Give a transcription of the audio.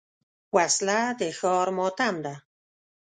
وسله د ښار ماتم ده